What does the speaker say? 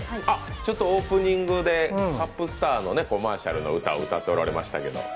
オープニングでカップスターのコマーシャルの歌を歌っておられましたけど。